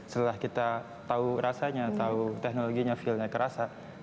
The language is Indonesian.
setelah kita tahu rasanya tahu teknologinya feel nya kerasa